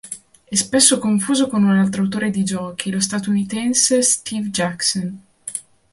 È spesso confuso con un altro autore di giochi, lo statunitense Steve Jackson.